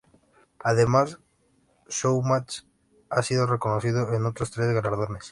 Además, "Showmatch", ha sido reconocido en otros tres galardones.